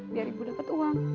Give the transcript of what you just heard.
biar ibu dapat uang